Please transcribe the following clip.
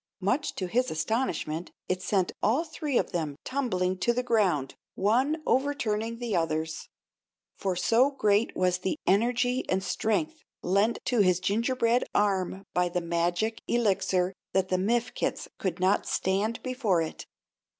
Much to his astonishment it sent all three of them tumbling to the ground one overturning the others. For so great was the energy and strength lent to his gingerbread arm by the magic Elixir that the Mifkets could not stand before it.